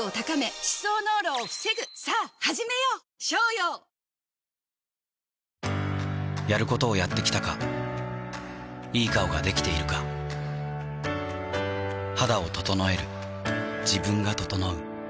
例えば。やることをやってきたかいい顔ができているか肌を整える自分が整う